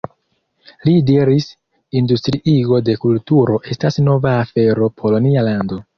Li diris: Industriigo de kulturo estas nova afero por nia lando.